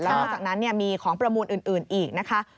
แล้วหลังจากนั้นมีของประมูลอื่นอีกนะคะ